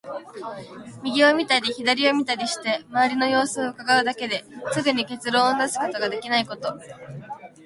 右を見たり左を見たりして、周りの様子を窺うだけですぐに結論を出すことができないこと。